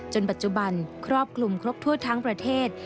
ปัจจุบันครอบคลุมครบทั่วทั้งประเทศ